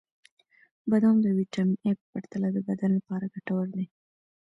• بادام د ویټامین ای په پرتله د بدن لپاره ګټور دي.